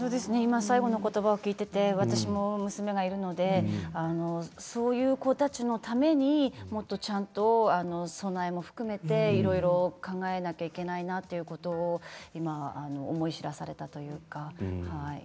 最後のことばを聞いていて私も娘がいるのでそういう子たちのためにもっとちゃんと備えも含めて考えなければいけないなということを今思い知らされたというか。